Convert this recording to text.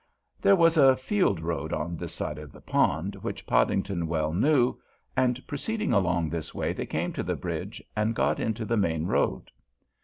There was a field road on this side of the pond which Podington well knew, and proceeding along this they came to the bridge and got into the main road.